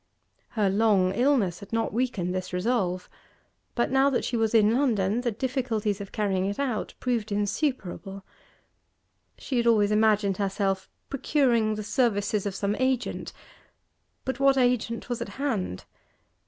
Her long illness had not weakened this resolve; but now that she was in London the difficulties of carrying it out proved insuperable. She had always imagined herself procuring the services of some agent, but what agent was at hand?